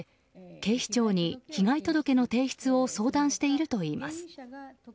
警視庁に被害届の提出を相談しているといいます。